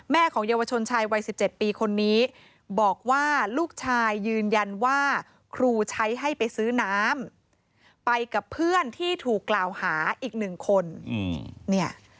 ของเยาวชนชายวัย๑๗ปีคนนี้บอกว่าลูกชายยืนยันว่าครูใช้ให้ไปซื้อน้ำไปกับเพื่อนที่ถูกกล่าวหาอีกหนึ่งคนเนี่ย